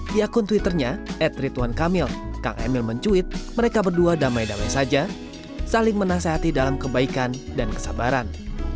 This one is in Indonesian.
di akun twitternya ed ridwan kamil kang emil mencuit mereka berdua damai damai saja saling menasehati dalam kebaikan dan kesabaran